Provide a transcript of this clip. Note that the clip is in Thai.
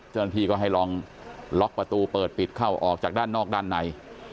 เจ้าหน้าที่ก็ให้ลองล็อกประตูเปิดปิดเข้าออกจากด้านนอกด้านใน